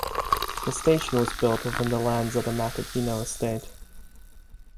A station was built within the lands of the Machadinho estate.